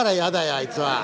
あいつは。